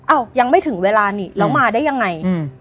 อ้าวยังไม่ถึงเวลานี่แล้วมาได้ยังไง